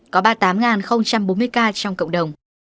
có ba mươi tám bốn mươi ca trong cộng đồng